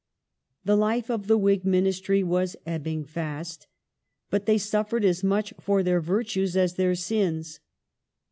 Fall of 'I'he life of the Whig Ministry was ebbing fast. But they the Mel suffered as much for their virtues an their sins.